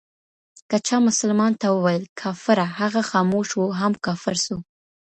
که چا مسلمان ته وويل: کافره! هغه خاموش وو، هم کافر سو